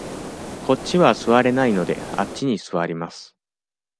こっちは座れないので、あっちに座ります。